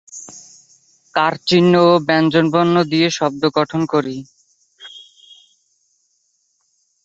L'Express" চেষ্টা করে সাংবাদিকদের আচার বিধি মেনে, একটি স্বাধীন ও নিরপেক্ষ পদ্ধতিতে মরিশীয় সংবাদ কভার করতে।